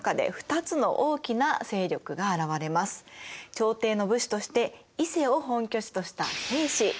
朝廷の武士として伊勢を本拠地とした平氏。